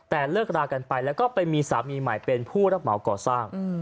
แต่เลิกรากันไปแล้วก็ไปมีสามีใหม่เป็นผู้รับเหมาก่อสร้าง